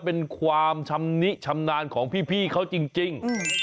เป็นความชำนิชำนาญของพี่เขาจริง